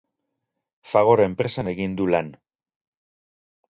Fagor enpresan egin du lan.